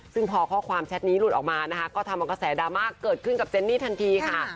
ซึ่งพอข้อความแชทนี้หลุดออกมานะคะก็ทำเอากระแสดราม่าเกิดขึ้นกับเจนนี่ทันทีค่ะ